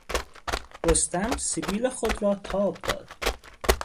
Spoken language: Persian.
رستم سبیل خود را تاب داد.